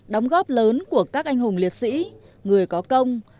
đóng góp lớn của các anh hùng liệt sĩ người có công